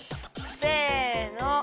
せの。